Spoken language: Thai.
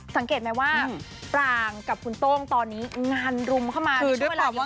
สังเกตไหมว่าปรางกับคุณโต้งตอนนี้งานรุมเข้ามาในช่วงเวลาเดียวกัน